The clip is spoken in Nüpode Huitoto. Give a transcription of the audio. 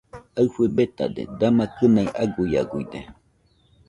Aɨfɨ betade, dama kɨnaɨ aguiaguide.